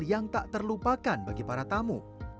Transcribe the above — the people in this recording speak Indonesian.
yang tak terlupakan bagi para tamu